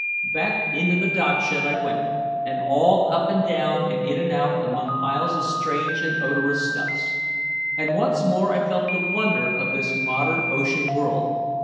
Back into the dockshed I went, and all up and down and in and out among piles of strange and odorous stuffs. And once more I felt the wonder of this modern ocean world.